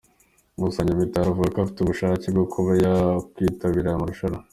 Gusa Nyamitari avuga ko afite ubushake bwo kuba yakwitabira aya marushanwa.